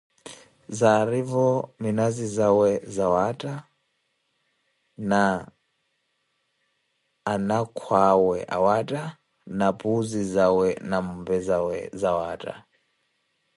Zaarivo minazi zawe zawaatta na anakhu awe awaatta na puuzi zawaatta na mompe zawaatta.